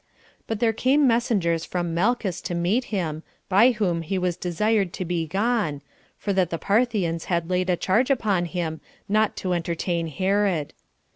But there came messengers from Malchus to meet him, by whom he was desired to be gone, for that the Parthians had laid a charge upon him not to entertain Herod.